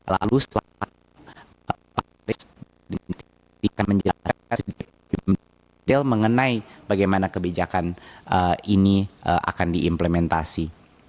lalu setelah ini kami akan menjelaskan sedikit mengenai bagaimana kebijakan ini akan diimplementasi